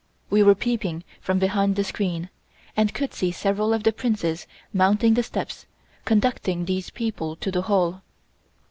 We were peeping from behind the screen, and could see several of the Princes mounting the steps, conducting these people to the Hall.